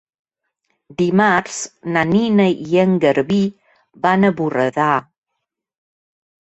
Dimarts na Nina i en Garbí van a Borredà.